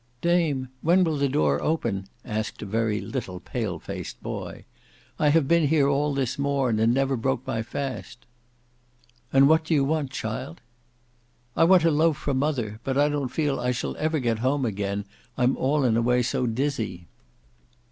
"Dame, when will the door open?" asked a very little palefaced boy. "I have been here all this morn, and never broke my fast." "And what do you want, chilt?" "I want a loaf for mother; but I don't feel I shall ever get home again, I'm all in a way so dizzy."